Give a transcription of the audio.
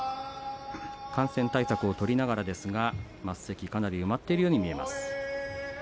感染対策を取りながらですが升席、かなり埋まっているように見えます。